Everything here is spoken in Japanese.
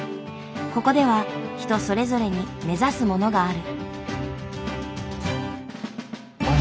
ここでは人それぞれに目指すものがある。